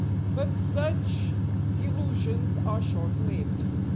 But such delusions are short lived.